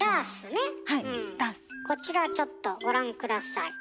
こちらちょっとご覧下さい。